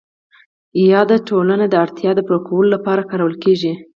یا د ټولنې د اړتیاوو د پوره کولو لپاره کارول کیږي؟